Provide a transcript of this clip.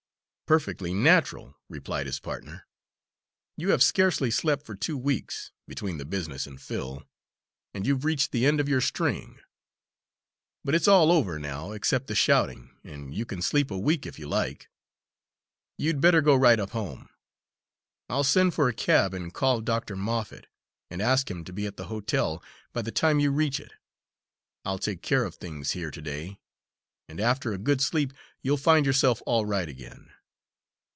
"Perfectly natural," replied his partner. "You have scarcely slept for two weeks between the business and Phil and you've reached the end of your string. But it's all over now, except the shouting, and you can sleep a week if you like. You'd better go right up home. I'll send for a cab, and call Dr. Moffatt, and ask him to be at the hotel by the time you reach it. I'll take care of things here to day, and after a good sleep you'll find yourself all right again."